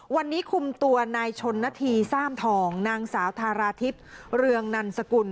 วันนี้คุมตัวนายชนนาธีซ่ามทองนางสาวทาราทิพย์เรืองนันสกุล